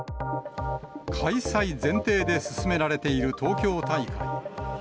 開催前提で進められている東京大会。